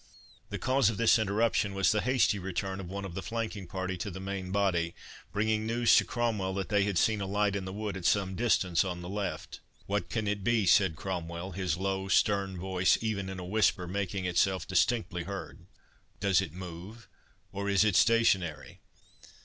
The cause of this interruption was the hasty return of one of the flanking party to the main body, bringing news to Cromwell that they had seen a light in the wood at some distance on the left. "What can it be?" said Cromwell, his low stern voice, even in a whisper, making itself distinctly heard. "Does it move, or is it stationary?"